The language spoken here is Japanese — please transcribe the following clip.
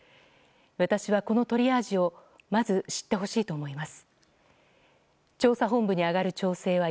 私は、このトリアージをまず知ってほしいと思います。